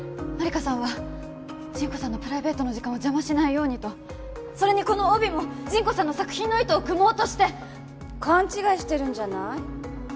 マリカさんはジンコさんのプライベートの時間を邪魔しないようにとそれにこの帯もジンコさんの作品の意図をくもうとして勘違いしてるんじゃない？